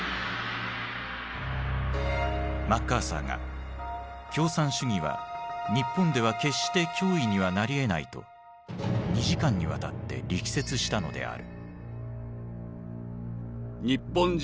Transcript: マッカーサーが共産主義は日本では決して脅威にはなりえないと２時間にわたって力説したのである。